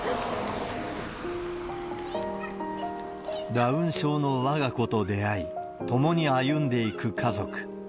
ダウン症のわが子と出会い、共に歩んでいく家族。